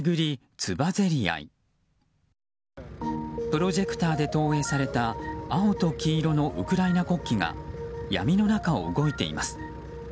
プロジェクターで投影された青と黄色のウクライナ国旗が闇の中を動いています。